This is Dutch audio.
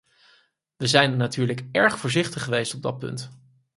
We zijn natuurlijk erg voorzichtig geweest op dat punt.